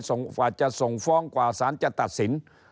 กว่าจะส่งฟ้องกว่าสารจะตัดสิน